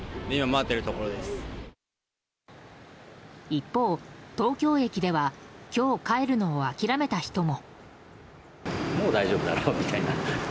一方、東京駅では今日帰るのを諦めた人も。